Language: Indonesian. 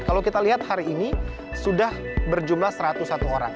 kalau kita lihat hari ini sudah berjumlah satu ratus satu orang